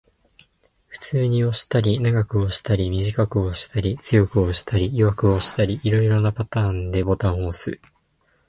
普通に押したり、長く押したり、短く押したり、強く押したり、弱く押したり、色々なパターンでボタンを押す